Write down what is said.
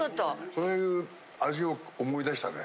そういう味を思い出したね。